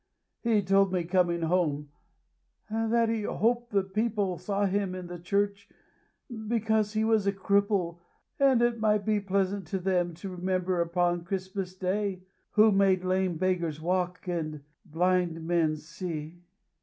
He told me, coming home, that he hoped the people saw him in the church, because he was a cripple, and it might be pleasant to them to remember upon Christmas Day, who made lame beggars walk and blind men see."